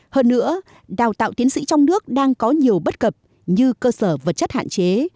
hơn nữa đào tạo tiến sĩ trong nước đang có nhiều bất cập như cơ sở vật chất hạn chế